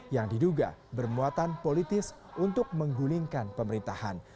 yang diduga bermuatan politis untuk menggulingkan pemerintahan